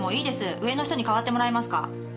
上の人に代わってもらえますか？